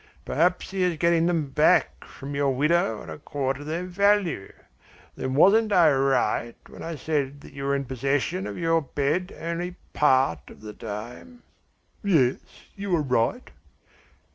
Perhaps he is getting them back, from your widow at a quarter their value. Then wasn't I right when I said that you were in possession of your bed only part of the time?" "Yes, you were right."